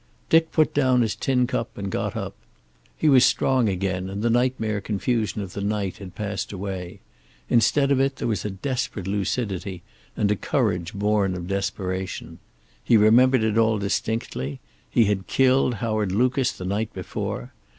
Dick put down his tin cup and got up. He was strong again, and the nightmare confusion of the night had passed away. Instead of it there was a desperate lucidity and a courage born of desperation. He remembered it all distinctly; he had killed Howard Lucas the night before.